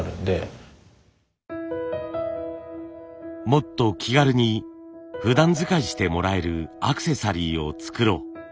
もっと気軽にふだん使いしてもらえるアクセサリーを作ろう。